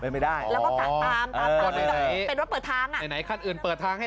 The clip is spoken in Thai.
ไม่ได้